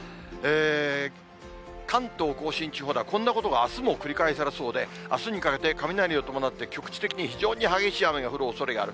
関東甲信地方では、こんなことがあすも繰り返されそうで、あすにかけて雷を伴って局地的に非常に激しい雨が降るおそれがある。